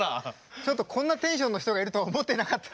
ちょっとこんなテンションの人がいるとは思ってなかった。